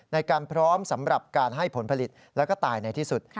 ในการพร้อมสำหรับการให้ผลผลิตแล้วก็ตายในที่สุด